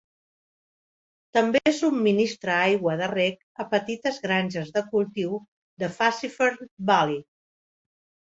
També subministra aigua de rec a petites granges de cultiu de Fassifern Valley.